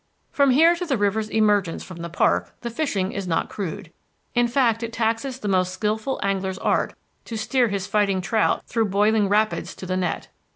From here to the river's emergence from the park the fishing is not crude. In fact, it taxes the most skilful angler's art to steer his fighting trout through boiling rapids to the net.